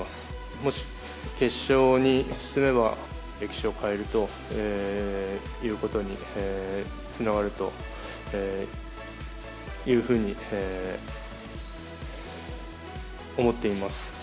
もし決勝に進めば、歴史を変えるということにつながるというふうに思っています。